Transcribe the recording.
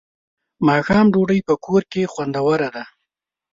ماښام ډوډۍ په کور کې خوندوره ده.